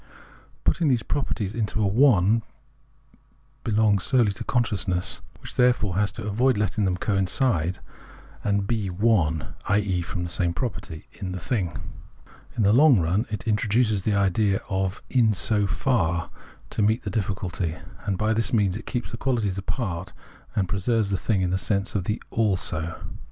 Putting these proper ties into a " one " belongs solely to consciousness, which, therefore, has to avoid letting them coincide and be one (i.e. one and the same property) in the thing. In the long run it introduces the idea of " in so far " to meet the difficulty ; and by this means it keeps the quahties apart, and preserves the thing in the sense of the " also."